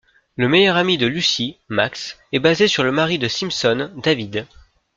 Le meilleur ami de Lucie, Max, est basé sur le mari de Simpson, David.